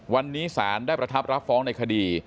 วันนี้สารได้ประทับรับฟ้องในคดี